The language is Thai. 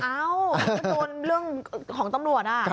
โดนเรื่องของตำรวจ